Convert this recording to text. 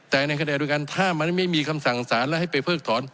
แต่ในขณะเดียวกันถ้ามันไม่มีคำสั่งสารแล้วให้ไปเพิกถอน